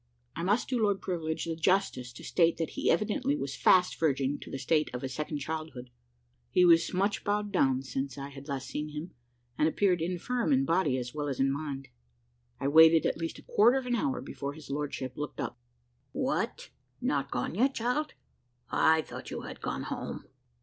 I must do Lord Privilege the justice to state that he evidently was fast verging to a state of second childhood. He was much bowed down since I had last seen him, and appeared infirm in body as well as mind. I waited at least a quarter of an hour before his lordship looked up. "What, not gone yet, child? I thought you had gone home."